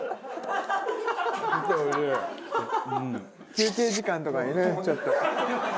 休憩時間とかにねちょっと。